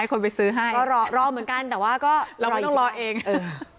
คนไปซื้อให้ก็รอรอเหมือนกันแต่ว่าก็เราไม่ต้องรอเองเออ